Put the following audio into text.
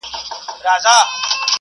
دا اوبه له هغو تازه دي!؟